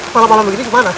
malam malam begini kemana